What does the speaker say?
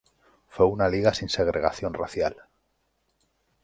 Fue una liga sin segregación racial.